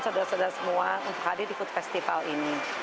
saudara saudara semua untuk hadir di food festival ini